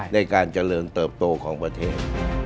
ในการเจริญเติบโตของประเทศ